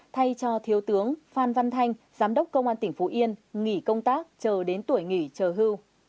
thay cho thiếu tướng phan văn thanh giám đốc công an tỉnh phú yên nghỉ công tác chờ đến tuổi nghỉ chờ hưu